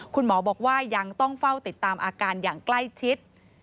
คุณหมอบอกว่ายังต้องเฝ้าติดตามอาการอย่างใกล้ชิด